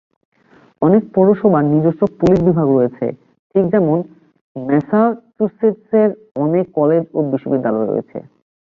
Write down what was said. অনেক পৌরসভার নিজস্ব পুলিশ বিভাগ রয়েছে, ঠিক যেমন ম্যাসাচুসেটসের অনেক কলেজ ও বিশ্ববিদ্যালয় রয়েছে।